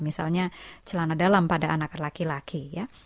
misalnya celana dalam pada anak laki laki ya